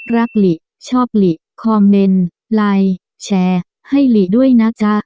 หลีชอบหลีคอมเมนต์ไลน์แชร์ให้หลีด้วยนะจ๊ะ